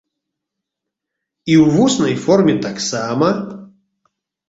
І ў вуснай форме таксама.